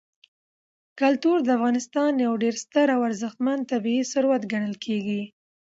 کلتور د افغانستان یو ډېر ستر او ارزښتمن طبعي ثروت ګڼل کېږي.